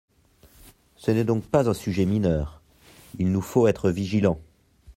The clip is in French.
Ce n’est donc pas un sujet mineur ; il nous faut être vigilants.